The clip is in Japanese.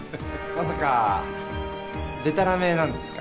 まさかでたらめなんですか？